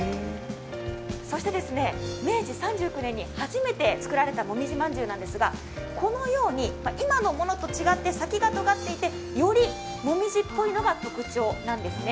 そして、明治３９年に初めて作られたもみじ饅頭なんですがこのように、今のものと違って先がとがっていて、より紅葉っぽいのが特徴なんですね。